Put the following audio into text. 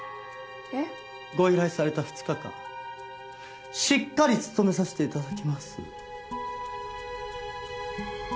えっ？ご依頼された２日間しっかり務めさせて頂きます。